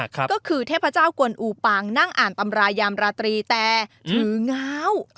ก็คือเทพเจ้ากวนอูปางนั่งอ่านตำรายามราตรีแต่ถือง้าว